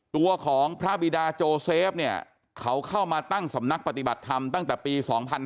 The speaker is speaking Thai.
ตัวของพระบิดาโจเซฟเนี่ยเขาเข้ามาตั้งสำนักปฏิบัติธรรมตั้งแต่ปี๒๕๕๙